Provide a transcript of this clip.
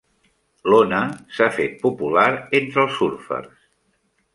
L'ona s'ha fet popular entre els surfers.